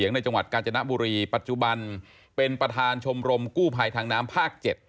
ในจังหวัดกาญจนบุรีปัจจุบันเป็นประธานชมรมกู้ภัยทางน้ำภาค๗